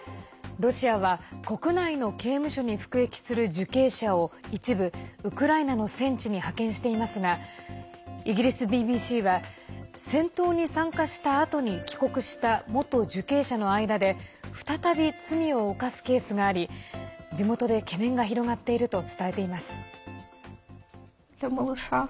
ロシアは国内の刑務所に服役する受刑者を一部、ウクライナの戦地に派遣していますがイギリスＢＢＣは戦闘に参加したあとに帰国した元受刑者の間で再び罪を犯すケースがあり地元で懸念が広がっていると伝えています。